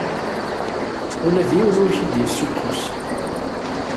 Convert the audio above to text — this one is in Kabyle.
Ula d yiwen ur k-id-yessukkus.